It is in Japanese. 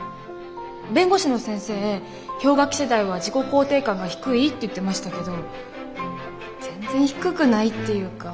弁護士の先生氷河期世代は自己肯定感が低いって言ってましたけど全然低くないっていうか。